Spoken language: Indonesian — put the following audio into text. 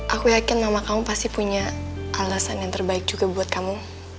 aku yakin mama kamu pasti punya alasan yang terbaik juga buat kamu